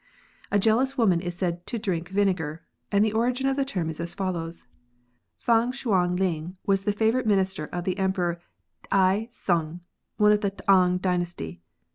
A jealous woman is said to drink vinegar, and the origin of the term is as follows :— Fang Hslian ling was the favourite Minister of the Emperor T ai Tsung, of the T'ang dynasty.